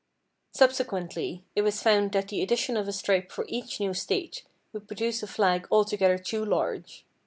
Subsequently, it was found that the addition of a stripe for each new State would produce a flag altogether too large.